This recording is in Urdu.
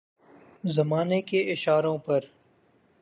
زمانے کے اشاروں پر